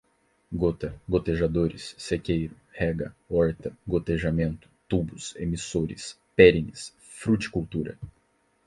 gota, gotejadores, sequeiro, rega, horta, gotejamento, tubos, emissores, perenes, fruticultura